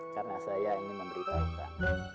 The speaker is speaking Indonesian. karena saya ingin memberitahukan